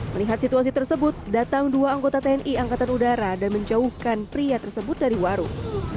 melihat situasi tersebut datang dua anggota tni angkatan udara dan menjauhkan pria tersebut dari warung